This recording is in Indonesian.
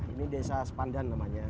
ini desa spandan namanya